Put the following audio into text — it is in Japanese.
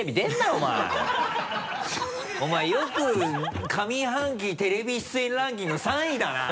お前よく上半期テレビ出演ランキング３位だな！